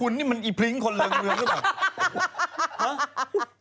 คุณนี่มันไอ้พลิ้งคนเริงหรือเปล่า